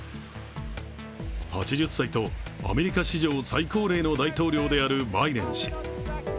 ８０歳とアメリカ史上最高齢の大統領であるバイデン氏。